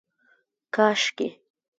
کاشکي